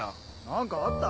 何かあった？